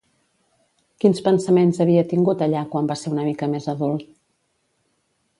Quins pensaments havia tingut allà quan va ser una mica més adult?